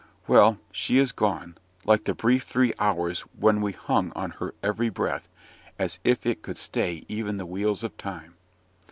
Well, she is gone, like the brief three hours when we hung on her every breath, as if it could stay even the wheels of time.